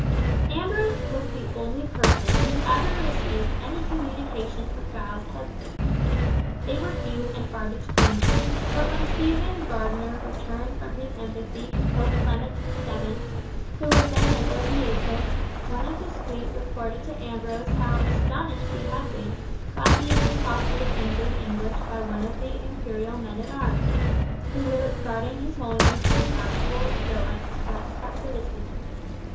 Ambrose was the only person who ever received any communication from Giles Headley. They were few and far between, but when Stephen Gardiner returned from his embassy to Pope Clement VII., who was then at Orvieto, one of the suite reported to Ambrose how astonished he had been by being accosted in good English by one of the imperial men at arms, who were guarding his Holiness in actual though unconfessed captivity.